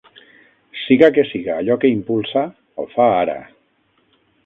Siga què siga allò que impulsa, ho fa ara.